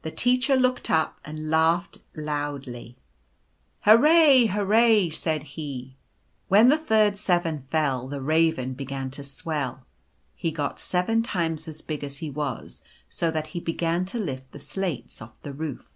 The Teacher looked up and laughed loudly. R 1 2 2 Mr. Daw's Revenge. " Hurrah, hurrah !" said he. When the third Seven fell the Raven began to swell. He got seven times as big as he was, so that he began to lift the slates off the roof.